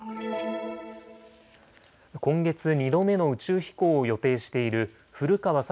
今月、２度目の宇宙飛行を予定している古川聡